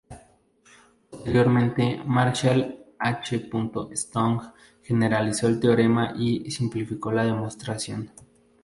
Posteriormente, Marshall H. Stone generalizó el teorema y simplificó la demostración.